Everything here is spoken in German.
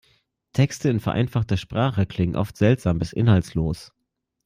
Texte in vereinfachter Sprache klingen oft seltsam bis inhaltslos.